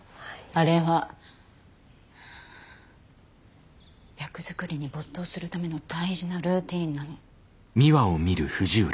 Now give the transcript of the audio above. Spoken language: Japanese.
あれは役作りに没頭するための大事なルーティーンなの。